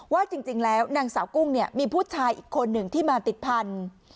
ว่าจริงแล้วนางสาวกุ้งเนี่ยมีผู้ชายอีกคนหนึ่งที่มาติดพันธุ์